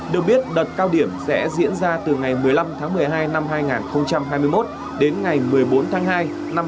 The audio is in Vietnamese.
được biết đợt cao điểm sẽ diễn ra từ ngày một mươi năm tháng một mươi hai năm hai nghìn hai mươi một đến ngày một mươi bốn tháng hai năm hai nghìn hai mươi